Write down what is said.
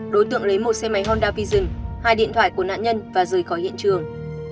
đối tượng lấy một xe máy honda vision hai điện thoại của nạn nhân và rời khỏi hiện trường